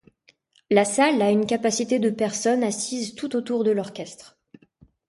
La salle a une capacité de personnes assises tout autour de l'orchestre.